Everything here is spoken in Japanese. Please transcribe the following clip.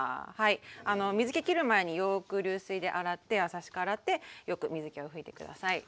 水けきる前によく流水で洗って優しく洗ってよく水けを拭いて下さい。